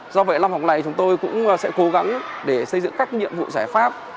do vậy năm học này chúng tôi cũng sẽ cố gắng để xây dựng các nhiệm vụ giải pháp